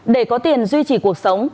để có tiền duy trì cuộc sống